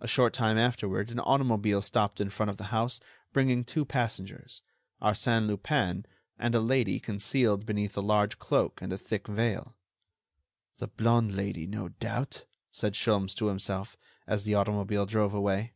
A short time afterward an automobile stopped in front of the house, bringing two passengers: Arsène Lupin and a lady concealed beneath a large cloak and a thick veil. "The blonde Lady, no doubt," said Sholmes to himself, as the automobile drove away.